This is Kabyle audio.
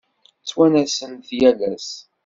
Ttwanasen-t yal ass.